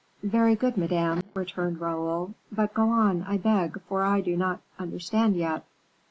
"Very good, Madame," returned Raoul; "but go on, I beg, for I do not understand yet."